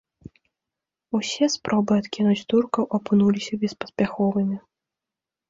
Усе спробы адкінуць туркаў апынуліся беспаспяховымі.